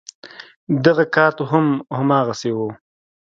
دغه کارت هم هماغسې و.